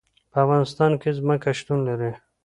په افغانستان کې ځمکه شتون لري.